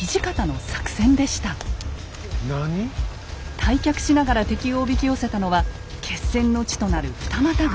退却しながら敵をおびき寄せたのは決戦の地となる二股口。